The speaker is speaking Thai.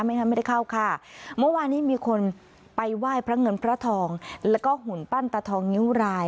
งั้นไม่ได้เข้าค่ะเมื่อวานนี้มีคนไปไหว้พระเงินพระทองแล้วก็หุ่นปั้นตาทองนิ้วราย